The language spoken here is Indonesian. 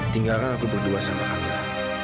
tinggalkan aku berdua sama kami